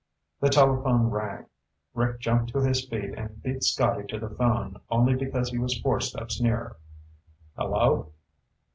The telephone rang. Rick jumped to his feet and beat Scotty to the phone only because he was four steps nearer. "Hello?"